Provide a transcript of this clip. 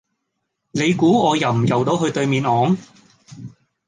你估我游唔游到去對面岸？